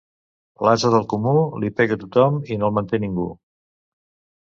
L'ase del comú, li pega tothom i no el manté ningú.